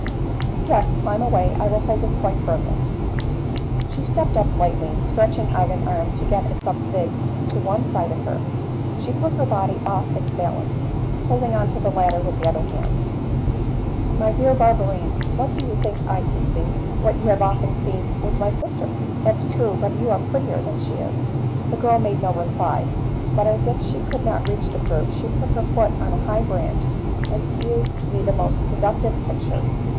"Yes, climb away; I will hold it quite firmly." She stepped up lightly, and stretching out an arm to get at some figs to one side of her, she put her body off its balance, holding on to the ladder with the other hand. "My dear Barberine, what do you think I can see?" "What you have often seen with my sister." "That's true! but you are prettier than she is." The girl made no reply, but, as if she could not reach the fruit, she put her foot on a high branch, and shewed me the most seductive picture.